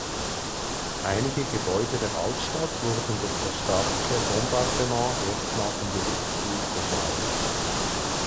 Einige Gebäude der Altstadt wurden durch das starke Bombardement erstmals im Bürgerkrieg beschädigt.